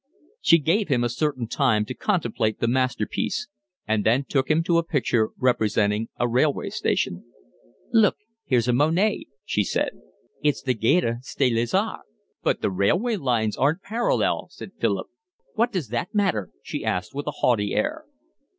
She gave him a certain time to contemplate the masterpiece and then took him to a picture representing a railway station. "Look, here's a Monet," she said. "It's the Gare St. Lazare." "But the railway lines aren't parallel," said Philip. "What does that matter?" she asked, with a haughty air.